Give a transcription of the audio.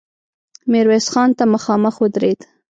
ميرويس خان ته مخامخ ودرېد.